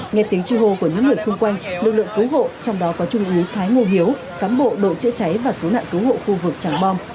nghe tiếng chi hô của những người xung quanh lực lượng cứu hộ trong đó có trung úy thái ngô hiếu cán bộ đội chữa cháy và cứu nạn cứu hộ khu vực tràng bom